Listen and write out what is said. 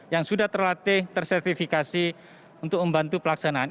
yang sudah terlatih tersertifikasi untuk membantu pelaksanaan